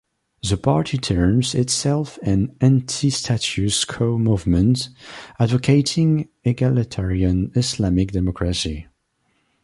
The party terms itself an 'anti-status quo movement' advocating egalitarian Islamic democracy.